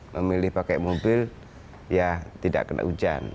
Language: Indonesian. memilih pakai mobil ya tidak kena hujan